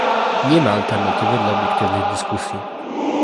Nie ma alternatywy dla obiektywych dyskusji